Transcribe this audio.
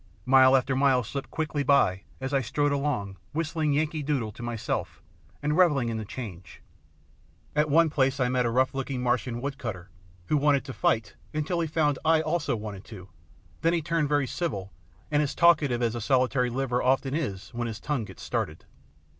Mile after mile slipped quickly by as I strode along, whistling "Yankee Doodle" to myself and revelling in the change. At one place I met a rough looking Martian woodcutter, who wanted to fight until he found I also wanted to, when he turned very civil and as talkative as a solitary liver often is when his tongue gets started.